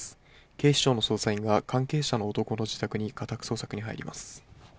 警視庁の捜査員が関係者の男の自宅に家宅捜索に入ります。